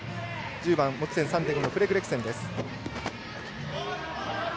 １０番、持ち点３．５のフレズレクセン。